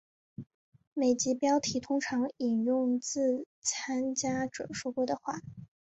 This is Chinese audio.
每集标题通常引用自参加者说过的话。